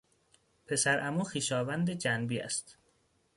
پسر عمو خویشاوند جنبی است.